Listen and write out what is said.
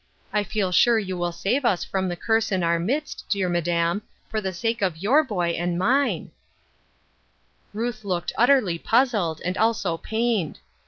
I feel sure you will save us from this curse in our COMING TO AN UNDERSTANDING. 1 25 midst, dear madam, for the sake of your boy and mine." Ruth looked utterly puzzled, and also pained.